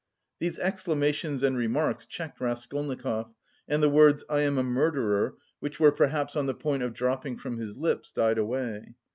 These exclamations and remarks checked Raskolnikov, and the words, "I am a murderer," which were perhaps on the point of dropping from his lips, died away.